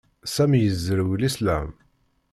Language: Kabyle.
Sami yezrew Lislam.